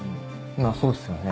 そうっすよね。